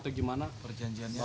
atau gimana perjanjiannya